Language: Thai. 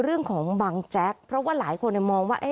เรื่องของบังแจ๊กเพราะว่าหลายคนมองว่า